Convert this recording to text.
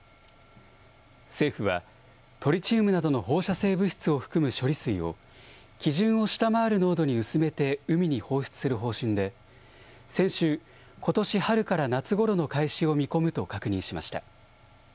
政府は、トリチウムなどの放射性物質を含む処理水を、基準を下回る濃度に薄めて海に放出する方針で、先週、ことし春から夏ごろの開始を見込むと確認しました。